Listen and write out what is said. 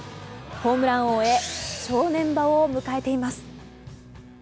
ホームラン王へ正念場を迎えています。